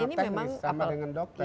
ini sama teknis sama dengan dokter kan